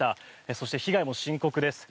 そして被害も深刻です。